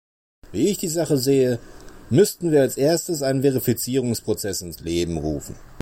Wie ich die Sache sehe, müssten wir als Erstes einen Verifizierungsprozess ins Leben rufen.